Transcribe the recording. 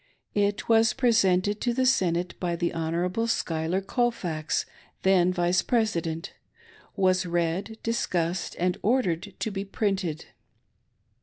It was presented to the Senate by the Hon. Schuyler Colfax — then Vice President; was read, discussed, and ordered to be printed.